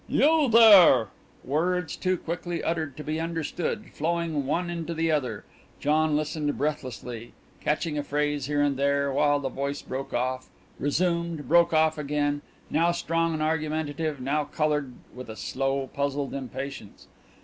"You there " Words, too quickly uttered to be understood, flowing one into the other .... John listened breathlessly, catching a phrase here and there, while the voice broke off, resumed, broke off again now strong and argumentative, now coloured with a slow, puzzled impatience.